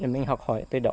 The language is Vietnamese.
mình học hỏi tư đổ